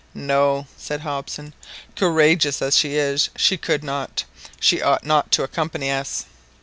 "No," said Hobson, "courageous as she is, she could not, she ought not to accompany us.